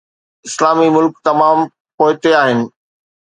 اسلامي ملڪ تمام پوئتي آهن.